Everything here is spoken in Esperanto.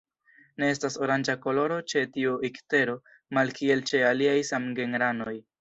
Ne estas oranĝa koloro ĉe tiu iktero, malkiel ĉe aliaj samgenranoj.